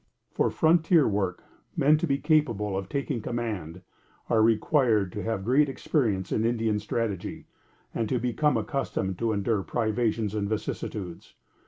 For frontier work, men, to be capable of taking command, are required to have great experience in Indian strategy, and to become accustomed to endure privations and vicissitudes.